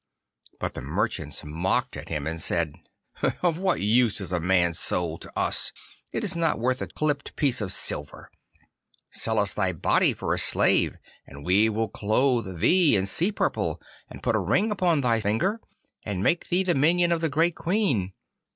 But the merchants mocked at him, and said, 'Of what use is a man's soul to us? It is not worth a clipped piece of silver. Sell us thy body for a slave, and we will clothe thee in sea purple, and put a ring upon thy finger, and make thee the minion of the great Queen.